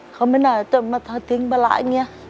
เขาไม่น่าจะมาทิ้งปลาร้ายอย่างนี้